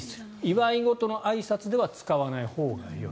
祝い事のあいさつでは使わないほうがよい。